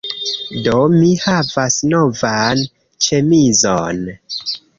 Do, mi havas novan ĉemizon